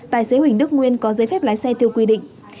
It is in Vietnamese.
tài xế huỳnh đức nguyên có giấy phép lái xe theo quy định